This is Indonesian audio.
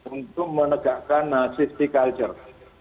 untuk menegakkan safety culture